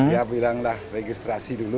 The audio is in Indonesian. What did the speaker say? dia bilang registrasi dulu